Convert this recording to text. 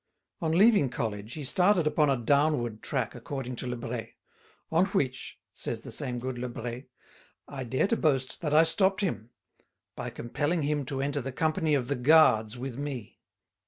On leaving college he started upon a downward track, according to Lebret; "on which," says the same good Lebret, "I dare to boast that I stopped him ... by compelling him to enter the company of the Guards with me."